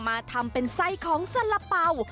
มาทำเป็นไส้ของสละเป๋า